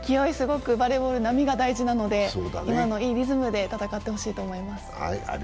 バレーボールは波がすごい大事なので、今のいいリズムで戦ってほしいと思います。